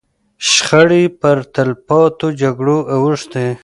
شخړې پر تلپاتو جګړو اوښتې.